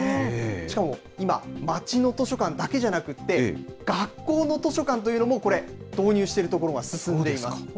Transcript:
しかも今、街の図書館だけじゃなくて、学校の図書館というのも、これ、導入している所が進んでいます。